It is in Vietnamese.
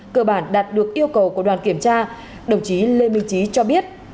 cơ bản đạt được yêu cầu của đoàn kiểm tra đồng chí lê minh trí cho biết